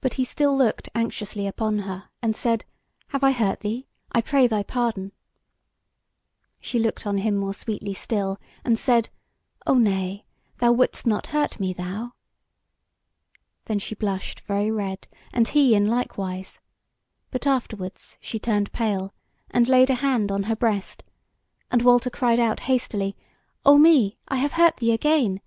But he still looked anxiously upon her and said: "Have I hurt thee? I pray thy pardon." She looked on him more sweetly still, and said: "O nay; thou wouldst not hurt me, thou!" Then she blushed very red, and he in like wise; but afterwards she turned pale, and laid a hand on her breast, and Walter cried out hastily: "O me! I have hurt thee again.